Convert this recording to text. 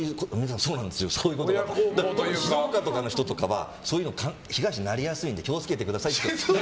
静岡の人とかはそういう被害者になりやすいので気を付けてくださいって。